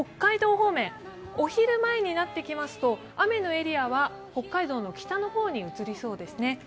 方面、お昼前になってきますと雨のエリアは北海道の北の方に移りそうですね。